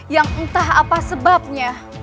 yang entah apa sebabnya